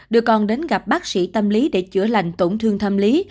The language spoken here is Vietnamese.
đưa con đến gặp bác sĩ tâm lý để chữa lành tổn thương tâm lý